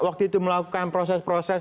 waktu itu melakukan proses proses